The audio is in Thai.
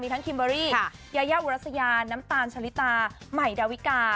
ทั้งคิมเบอรี่ยายาอุรัสยาน้ำตาลชะลิตาใหม่ดาวิกา